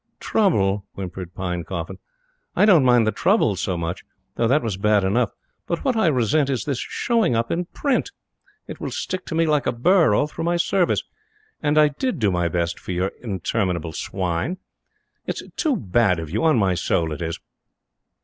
"Trouble!" whimpered Pinecoffin; "I don't mind the trouble so much, though that was bad enough; but what I resent is this showing up in print. It will stick to me like a burr all through my service. And I DID do my best for your interminable swine. It's too bad of you, on my soul it is!"